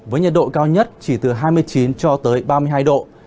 với nhiệt độ cao nhất chỉ từ hai mươi chín cho tới ba mươi hai độ